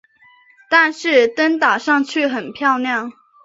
但是灯打上去很漂亮